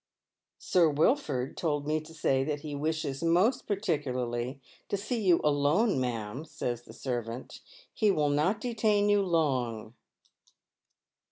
" Sir Wilford told me to say that he wishes most particularly to see you alone, ma'am," eays the servant ;" be will not detain yoo long."